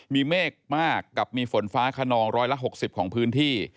มีเมฆมากกับมีฝนฟ้าขนองร้อยละ๖๐ของพื้นที่